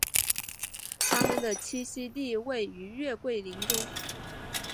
它们的栖息地位于月桂林中。